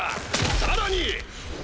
さらに！